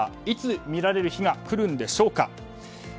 いつ見られる日が来るのでしょうか。